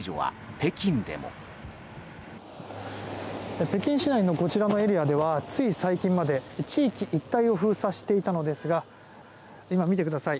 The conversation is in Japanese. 北京市内のこちらのエリアではつい最近まで地域一帯を封鎖していたのですが今、見てください。